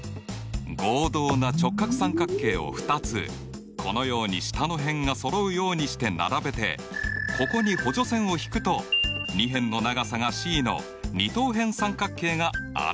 合同な直角三角形を２つこのように下の辺がそろうようにして並べてここに補助線を引くと２辺の長さがｃの二等辺三角形が現れるね。